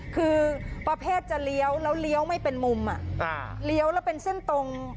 คือประเภทจะเลี้ยวแล้วเลี้ยวไม่เป็นมุมเลี้ยวแล้วเป็นเส้นตรง